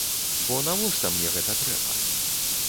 Бо навошта мне гэта трэба?